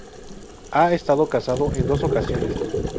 Ha estado casado en dos ocasiones.